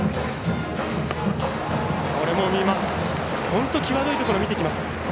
本当際どいところを見てきます。